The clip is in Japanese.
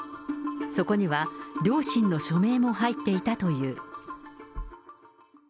そこには、両親の署名も入っていたという。